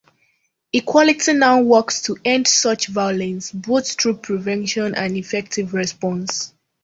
Equality Now works to end such violence both through prevention and effective response.